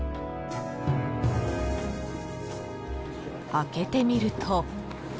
［開けてみると］